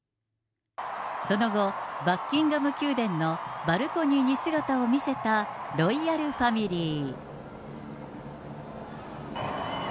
その後、バッキンガム宮殿のバルコニーに姿を見せたロイヤルファミリー。